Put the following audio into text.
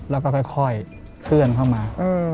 แล้วก็ค่อยเคลื่อนเข้ามา